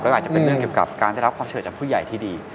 อาจจะเป็นเรื่องเกี่ยวกับการได้รับความเชื่อจากผู้ใหญ่ที่ดี